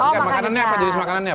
oh makan besar